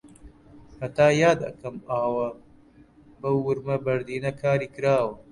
هەتا یاد ئەکەم ئاوە بەو ورمە بەردینە کاری کراوە